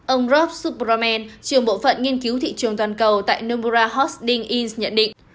ông rob superman trường bộ phận nghiên cứu thị trường toàn cầu tại numbura hosting inc nhận định